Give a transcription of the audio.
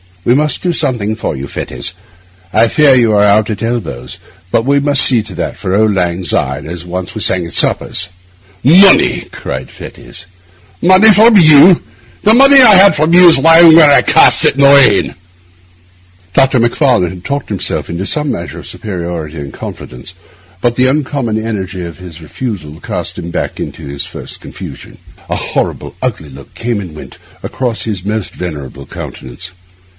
We must do something for you, Fettes. I fear you are out at elbows; but we must see to that for auld lang syne, as once we sang at suppers.' 'Money!' cried Fettes; 'money from you! The money that I had from you is lying where I cast it in the rain.' Dr. Macfarlane had talked himself into some measure of superiority and confidence, but the uncommon energy of this refusal cast him back into his first confusion. A horrible, ugly look came and went across his almost venerable countenance.